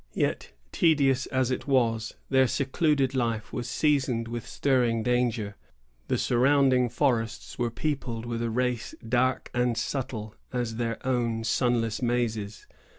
Yet, tedious as it was, their secluded life was seasoned with stirring danger. The surrounding forests were peopled with a race dark and subtle as their own sunless mazes.